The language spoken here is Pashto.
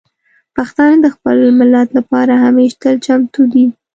پښتانه د خپل ملت لپاره همیشه تل چمتو دي.